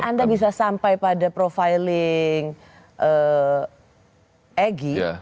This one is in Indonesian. tapi anda bisa sampai pada profiling egi